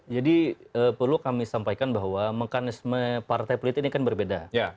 jadi perlu kami sampaikan bahwa mekanisme partai politik ini kan berbeda